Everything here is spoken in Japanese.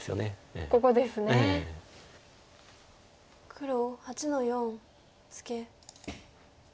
黒８の四ツケ。